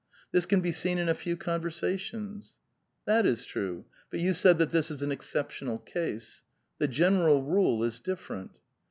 This can be seen in a few conversations." *'*' That is true ; but you said that this is an exceptional case. The general rule is different."